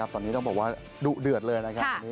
ตอนนี้ต้องบอกว่าดุเดือดเลยนะครับ